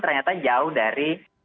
ternyata jauh dari